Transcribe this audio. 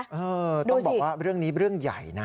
เออต้องบอกว่าเรื่องนี้เรื่องใหญ่นะ